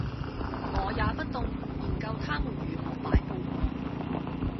我也不動，研究他們如何擺佈我；